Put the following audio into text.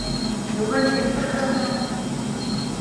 Бөгөн ни күрҙең һуң!